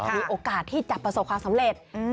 มีโอกาสที่จะประสบความสำเร็จ